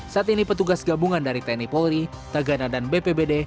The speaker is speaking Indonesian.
saat ini petugas gabungan dari tni polri tagana dan bpbd